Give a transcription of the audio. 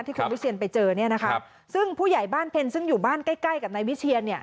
ที่คุณวิเชียนไปเจอเนี่ยนะคะซึ่งผู้ใหญ่บ้านเพ็ญซึ่งอยู่บ้านใกล้ใกล้กับนายวิเชียนเนี่ย